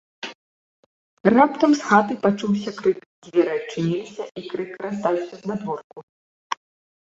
Раптам з хаты пачуўся крык, дзверы адчыніліся, і крык раздаўся знадворку.